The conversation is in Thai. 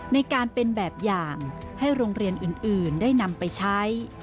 ในการเป็นแบบอย่างให้โรงเรียนอื่นได้นำไปใช้